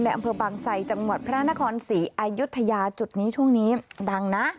อำเภอบางไซจังหวัดพระนครศรีอายุทยาจุดนี้ช่วงนี้ดังนะ